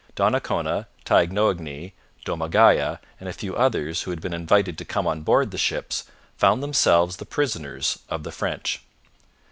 Donnacona, Taignoagny, Domagaya and a few others, who had been invited to come on board the ships, found themselves the prisoners of the French.